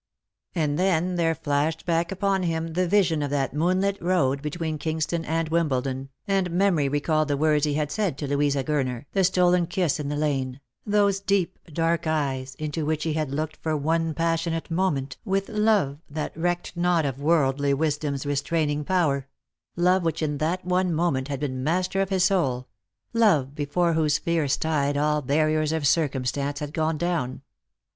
And then there flashed back upon him the vision of that moonlit road between Kingston and Wimbledon, and memory recalled the words he had said to Louisa Gurner, the stolen kiss in the lane, those deep dark eyes into which he had looked for one passionate moment with love that recked not of worldly wisdom's restraining power — love which in that one moment had been master of his soul — love before whose fierce tide all barriers of circumstance had gone down.